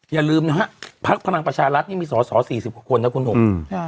อย่าลืมนะฮะพักพลังประชารัฐนี่มีสอสอ๔๐กว่าคนนะคุณหนุ่ม